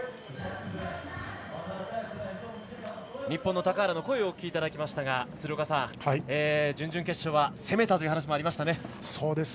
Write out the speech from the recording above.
日本の高原の声をお聞きいただきましたが鶴岡さん、準々決勝は攻めたという話もありました。